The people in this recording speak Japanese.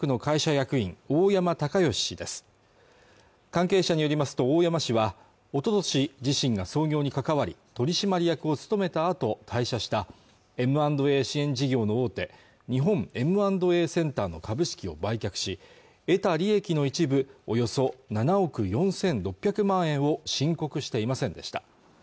関係者によりますと大山氏はおととし自身が創業に関わり取締役を務めたあと退社したＭ＆Ａ支援事業の大手日本Ｍ＆Ａセンターの株式を売却し得た利益の一部およそ７億４６００万円を申告していませんでした